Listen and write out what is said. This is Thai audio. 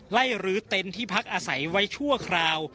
รื้อเต็นต์ที่พักอาศัยไว้ชั่วคราว